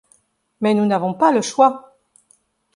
Mais nous n’avons pas le choix.